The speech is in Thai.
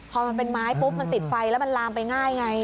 พอมันเป็นไม้ปุ๊บมันติดไฟแล้วมันลามไปง่ายไง